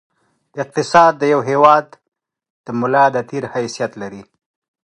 اقتصاد د یوه هېواد د ملا د تېر حیثیت لري.